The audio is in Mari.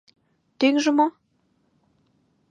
Тӱҥжӧ мо?